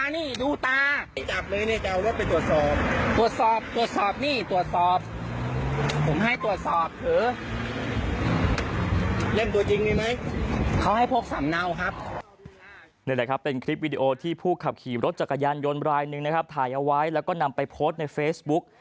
นี่แหละครับเป็นคลิปวิดีโอที่ผู้ขับขี่รถจักรยานยนต์รายหนึ่งนะครับถ่ายเอาไว้แล้วก็นำไปโพสต์ในเฟซบุ๊ก